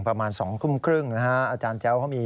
ประมาณ๒คุ้มครึ่งนะครับ